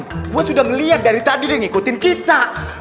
gue sudah melihat dari tadi dia ngikutin kita